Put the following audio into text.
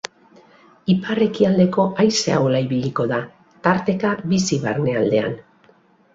Ipar-ekialdeko haize ahula ibiliko da, tarteka bizi barnealdean.